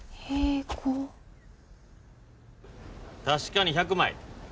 確かに１００枚。